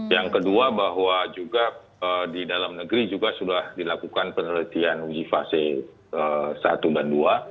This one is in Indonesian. yang kedua bahwa juga di dalam negeri juga sudah dilakukan penelitian uji fase satu dan dua